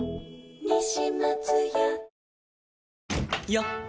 よっ！